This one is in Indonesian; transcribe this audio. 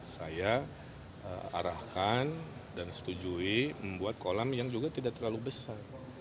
saya arahkan dan setujui membuat kolam yang juga tidak terlalu besar